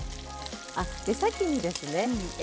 先にですね